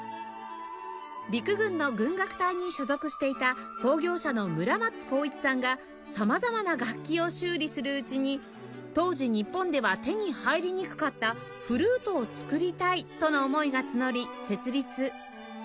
陸軍の軍楽隊に所属していた創業者の村松孝一さんが様々な楽器を修理するうちに当時日本では手に入りにくかった「フルートを作りたい」との思いが募り設立